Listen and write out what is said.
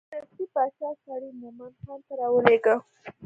دستې باچا سړی مومن خان ته راولېږه.